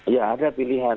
ya ada pilihan